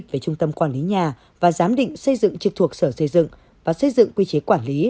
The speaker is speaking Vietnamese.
về trung tâm quản lý nhà và giám định xây dựng trực thuộc sở xây dựng và xây dựng quy chế quản lý